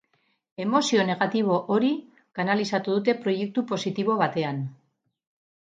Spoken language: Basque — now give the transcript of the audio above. Emozio negatibo hori kanalizatu dute proiektu positibo batean.